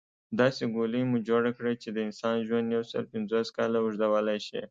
داسې ګولۍ مو جوړه کړه چې د انسان ژوند يوسل پنځوس کاله اوږدولی شي